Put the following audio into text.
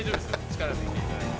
力抜いていただいて。